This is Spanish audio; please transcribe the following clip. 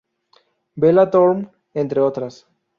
Bella Thorne, entre otras.